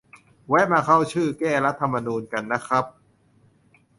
แวะมาเข้าชื่อ แก้รัฐธรรมนูญ กันนะครับ